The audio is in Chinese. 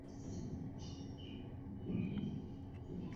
据说它发源自土耳其的卡赫拉曼马拉什。